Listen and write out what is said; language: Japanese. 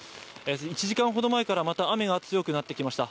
１時間ほど前からまた雨が強くなってきました。